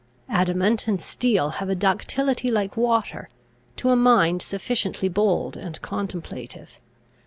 Adamant and steel have a ductility like water, to a mind sufficiently bold and contemplative.